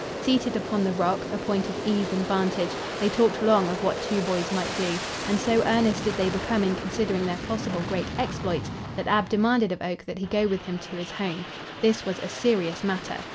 Seated upon the rock, a point of ease and vantage, they talked long of what two boys might do, and so earnest did they become in considering their possible great exploits that Ab demanded of Oak that he go with him to his home. This was a serious matter.